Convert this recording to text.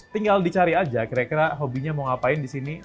tinggal dicari aja kira kira hobinya mau ngapain di sini